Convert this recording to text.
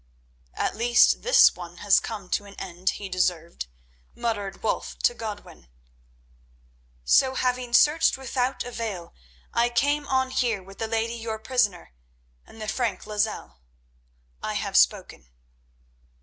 "At least this one has come to an end he deserved," muttered Wulf to Godwin. "So, having searched without avail, I came on here with the lady your prisoner and the Frank Lozelle. I have spoken."